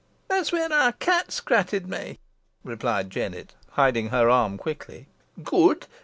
"That's where our cat scratted me," replied Jennet, hiding her arm quickly. "Good!